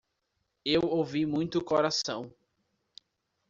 Eu ouvi muito coração